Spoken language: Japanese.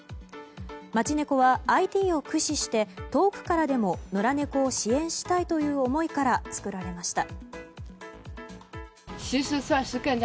街猫はＩＴを駆使して遠くからでも野良猫を支援したいという思いから作られました。